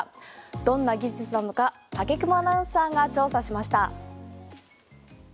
どんな技術なのか武隈アナウンサーが調査しました。